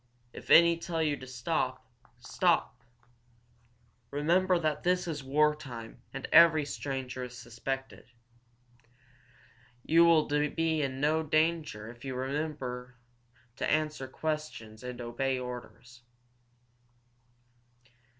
If any tell you to stop, stop! Remember that this is war time and every stranger is suspected. You will be in no danger if you will remember to answer questions and obey orders."